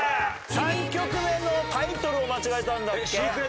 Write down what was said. ３曲目のタイトルを間違えたんだっけ？